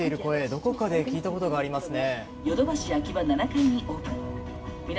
どこかで聞いたことありますね。